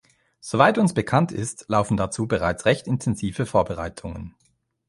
Soweit uns bekannt ist, laufen dazu bereits recht intensive Vorbereitungen.